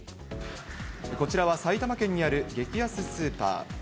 こちらは埼玉県にある激安スーパー。